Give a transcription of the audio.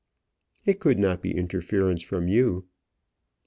"It could not be interference from you."